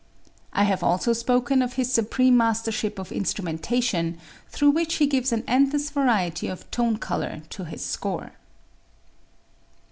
I have also spoken of his supreme mastership of instrumentation, through which he gives an endless variety of tone color to his score.